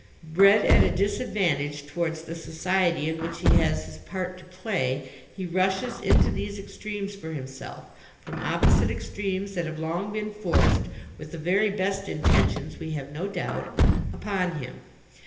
Bred at a disadvantage towards the society in which he has his part to play, he rushes into these extremes for himself, from opposite extremes that have long been forced—with the very best intentions we have no doubt—upon him.